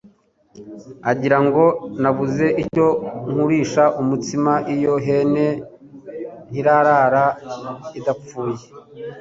agira ngo: Nabuze icyo nkurisha (umutsima) iyo hene ntirara idapfuye